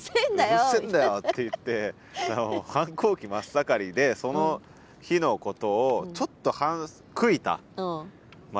「うるせえんだよ！」って言って反抗期真っ盛りでその日のことをちょっと悔いた一句。